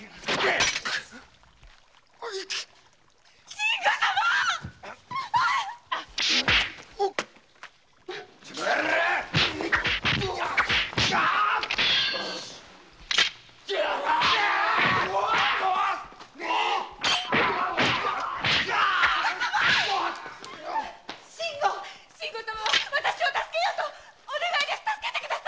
信吾様はわたしを助けようとお願いです助けてください。